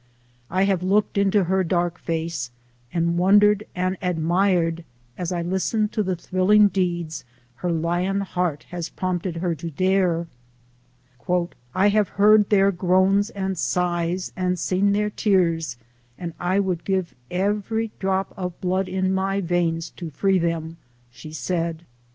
I have looked into her dark face, and wondered and admired as I listened to the thrilling deeds her lion heart had prompted her to dare. 'I have heard their groans and sighs, and seen their tears, and I would give every drop of blood in my veins to free them,' she said.